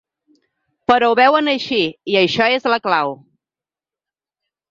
Però ho veuen així i això és la clau.